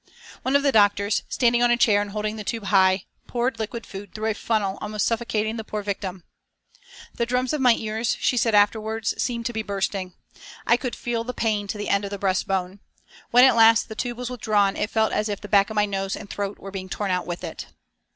One of the doctors, standing on a chair and holding the tube high poured liquid food through a funnel almost suffocating the poor victim. "The drums of my ears," she said afterwards, "seemed to be bursting. I could feel the pain to the end of the breast bone. When at last the tube was withdrawn it felt as if the back of my nose and throat were being torn out with it."